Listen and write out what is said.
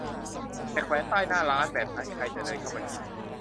แต่แขวนป้ายหน้าร้านแบบนั้น ใครจะเดินเข้ามากิน